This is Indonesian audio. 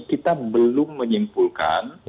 kita belum menyimpulkan